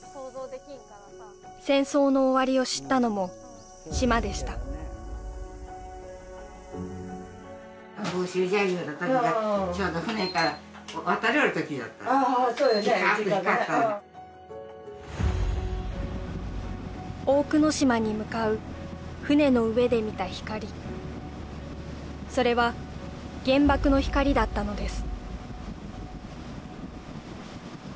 戦争の終わりを知ったのも島でした・ああそうよね大久野島に向かう船の上で見た光それは原爆の光だったのです